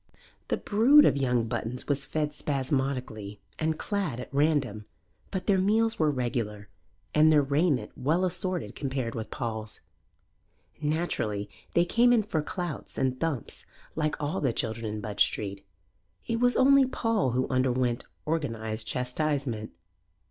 The brood of young Buttons was fed spasmodically and clad at random, but their meals were regular and their raiment well assorted compared with Paul's. Naturally they came in for clouts and thumps like all the children in Budge Street; it was only Paul who underwent organized chastisement.